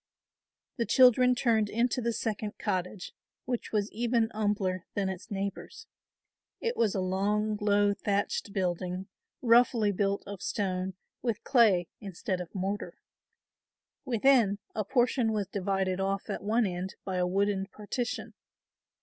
The children turned into the second cottage which was even humbler than its neighbours. It was a long, low, thatched building, roughly built of stone with clay instead of mortar. Within, a portion was divided off at one end by a wooden partition.